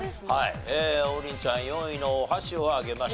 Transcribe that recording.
王林ちゃん４位のお箸を挙げました。